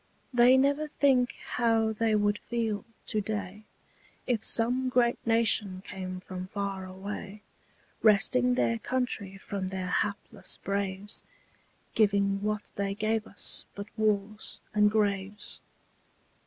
They never think how they would feel to day, If some great nation came from far away, Wresting their country from their hapless braves, Giving what they gave us but wars and graves.